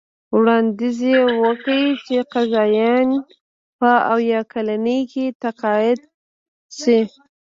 وړاندیز یې وکړ چې قاضیان په اویا کلنۍ کې تقاعد شي.